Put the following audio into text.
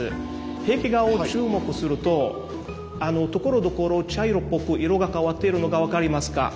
壁画を注目するとところどころ茶色っぽく色が変わっているのが分かりますか？